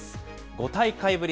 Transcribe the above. ５大会ぶり